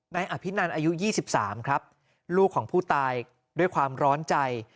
ในอภินันทร์อายุยี่สิบสามครับลูกของผู้ตายด้วยความร้อนใจ